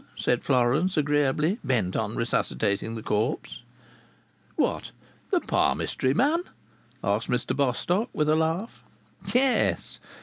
said Florence, agreeably bent on resuscitating the corpse. "What! The palmistry man?" asked Mr Bostock, with a laugh. "Yes."